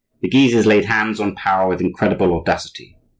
The Guises laid hands on power with incredible audacity.